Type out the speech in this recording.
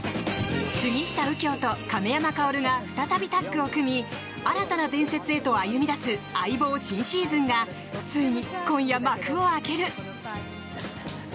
杉下右京と亀山薫が再びタッグを組み新たな伝説へと歩み出す「相棒」新シーズンがついに今夜、幕を開ける。